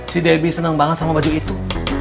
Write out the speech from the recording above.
si debbie senang banget sama baju itu